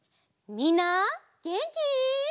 みんなげんき？